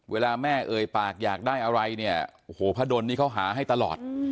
เวลาแม่เอ่ยปากอยากได้อะไรเนี่ยโอ้โหพระดนนี่เขาหาให้ตลอด